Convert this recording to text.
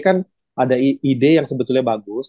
kan ada ide yang sebetulnya bagus